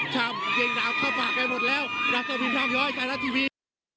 ช่ำเย็นน้ำเข้าปากไปหมดแล้วรักษะพิมพ์ทางย้อยจานัดทีพี